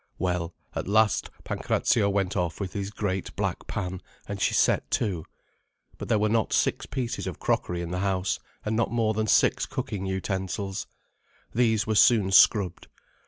Well, at last Pancrazio went off with his great black pan, and she set to. But there were not six pieces of crockery in the house, and not more than six cooking utensils. These were soon scrubbed.